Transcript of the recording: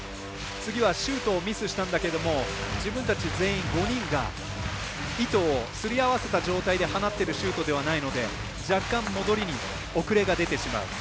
次はシュートが続いたんだけれども自分たち全員５人が意図をすり合わせた状態で放っているシュートではないので若干、戻りに遅れが出てしまう。